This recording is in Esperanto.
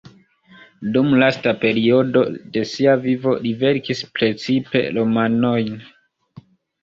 Dum lasta periodo de sia vivo li verkis precipe romanojn.